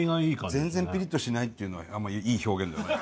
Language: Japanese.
全然ピリッとしないっていうのはあまりいい表現ではない。